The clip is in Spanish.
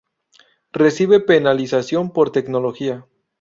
Recibe penalización por tecnología.